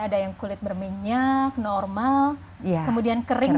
ada yang kulit berminyak normal kemudian kering